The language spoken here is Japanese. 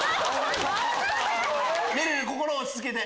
めるる心を落ち着けて。